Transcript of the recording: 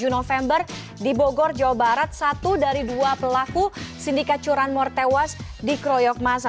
tujuh november di bogor jawa barat satu dari dua pelaku sindikat curanmor tewas di kroyok masa